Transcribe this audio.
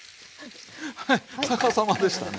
はい逆さまでしたね。